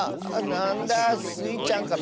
なんだスイちゃんか。